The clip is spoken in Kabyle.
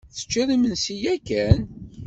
Teččid imensi yakan?